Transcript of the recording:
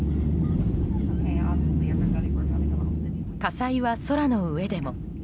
火災は空の上でも。